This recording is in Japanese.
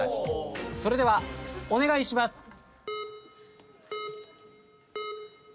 それではお願いします。